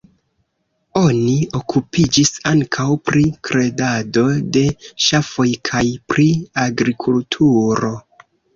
Oni okupiĝis ankaŭ pri bredado de ŝafoj kaj pri agrikulturo.